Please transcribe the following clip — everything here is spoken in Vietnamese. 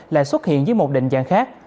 lại xuất hiện với một định dạng khác